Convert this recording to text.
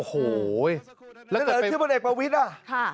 โอ้โหยเสนอชื่อผลเอกประวิทธิ์อ่ะ